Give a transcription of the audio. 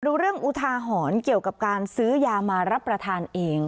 ดูเรื่องอุทาหรณ์เกี่ยวกับการซื้อยามารับประทานเอง